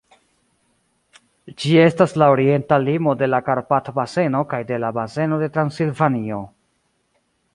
Ĝi estas la orienta limo de la Karpat-baseno kaj de la Baseno de Transilvanio.